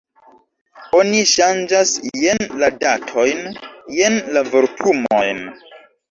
Oni ŝanĝas jen la datojn, jen la vortumojn.